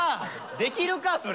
できるかそれ！